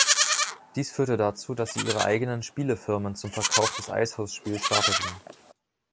Dies führte dazu, dass sie ihre eigenen Spielefirmen zum Verkauf des IceHouse-Spiels starteten.